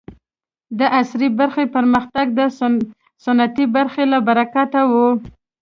د عصري برخې پرمختګ د سنتي برخې له برکته و.